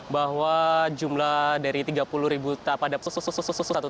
bahwa jumlah dari tiga puluh ribu pada